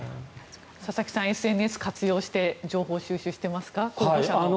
佐々木さん、ＳＮＳ活用して情報収集していますか？